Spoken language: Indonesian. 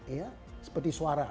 ya seperti suara